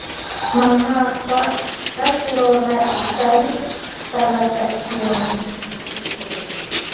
Mama kwaa neturora isila sala za kio.